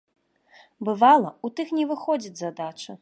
Бывала, у тых не выходзіць задача.